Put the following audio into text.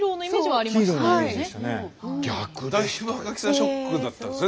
ショックだったですよね。